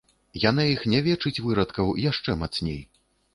Яна іх нявечыць, вырадкаў, яшчэ мацней.